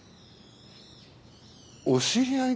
お知り合いで？